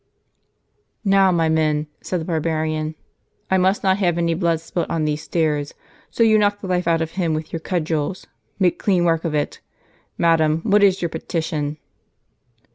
"Now, my men," said the barbarian, "I must not have any blood spilt on these stairs ; so you knock the life out of him with your cudgels; make clean work of it. Madam, what is your petition?"